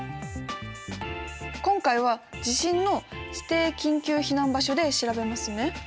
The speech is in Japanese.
今回は地震の指定緊急避難場所で調べますね。